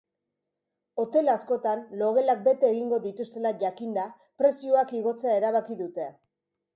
Hotel askotan logelak bete egingo dituztela jakinda, prezioak igotzea erabaki dute.